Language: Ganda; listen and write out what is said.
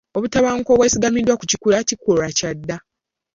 Obutabanguko obwesigamiziddwa ku kikula kikolwa kya dda.